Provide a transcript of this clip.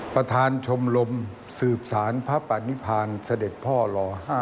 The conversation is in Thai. ประธานชมรมสืบศาลพระปะนิพพานสเด็ดพ่อหล่อ๕